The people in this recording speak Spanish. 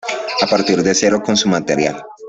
A partir de cero con su material.